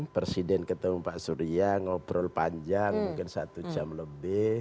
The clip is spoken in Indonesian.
presiden ketemu pak surya ngobrol panjang mungkin satu jam lebih